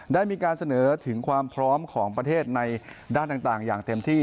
ได้มีการเสนอถึงความพร้อมของประเทศในด้านต่างอย่างเต็มที่